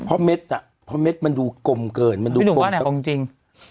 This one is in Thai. เพราะเม็ดอ่ะเพราะเม็ดมันดูกลมเกินมันดูกลมเกินพี่หนูว่าไหนของจริง